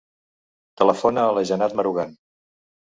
Telefona a la Janat Marugan.